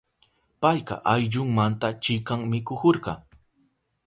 Payka ayllunmanta chikan mikuhurka.